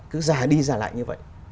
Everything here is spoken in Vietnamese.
cứ ra đi ra lại như vậy